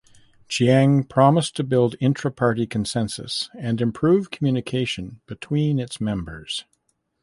Chiang promised to build intraparty consensus and improve communication between its members.